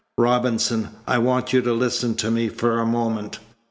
Robinson, I want you to listen to me for a moment.